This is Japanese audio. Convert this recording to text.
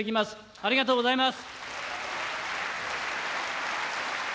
ありがとうございます。